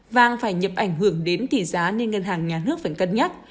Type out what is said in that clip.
vàng phải nhập ảnh hưởng đến tỷ giá nên ngân hàng nhà nước phải cân nhắc